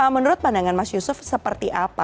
menurut pandangan mas yusuf seperti apa